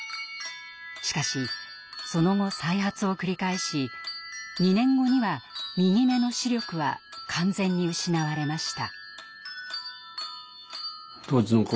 しかしその後再発を繰り返し２年後には右目の視力は完全に失われました。